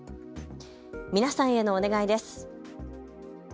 皆さんへのお願いです。